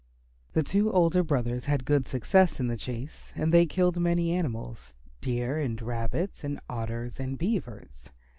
The two older brothers had good success in the chase and they killed many animals deer and rabbits and otters and beavers.